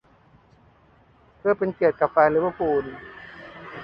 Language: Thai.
เพื่อเป็นเกียรติกับแฟนลิเวอร์พูล